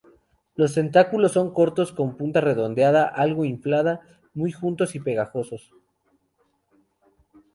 Los tentáculos son cortos, con la punta redondeada, algo inflada, muy juntos y pegajosos.